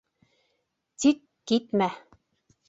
Тик китмә.